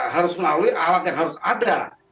harus melalui alat yang harus ada